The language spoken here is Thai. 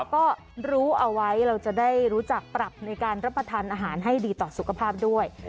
ก็รู้เอาไว้เราจะได้รู้จักปรับในการรับประทานอาหารให้ดีต่อสุขภาพด้วย